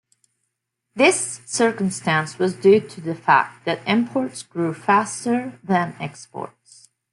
This circumstance was due to the fact that imports grew faster than exports.